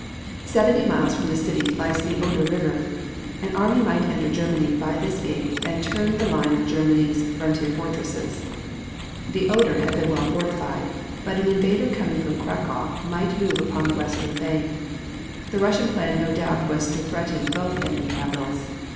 Seventy miles from the city lies the Oder River. An army might enter Germany by this gate and turn the line of Germany's frontier fortresses. The Oder had been well fortified, but an invader coming from Cracow might move upon the western bank. The Russian plan no doubt was to threaten both enemy capitals.